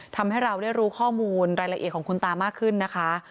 ทำให้เราได้รู้ข้อมูลรายละเอียดของคุณตามากขึ้นนะคะ